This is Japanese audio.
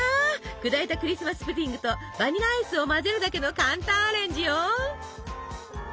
砕いたクリスマス・プディングとバニラアイスを混ぜるだけの簡単アレンジよ！